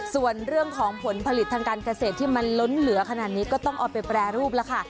ส่วนเรื่องของผลผลิตทางการเกษตรที่มันล้นเหลือขนาดนี้ก็ต้องเอาไปแปรรูปแล้วค่ะ